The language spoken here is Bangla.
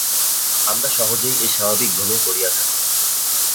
আমরা সহজেই এই স্বাভাবিক ভ্রমে পড়িয়া থাকি।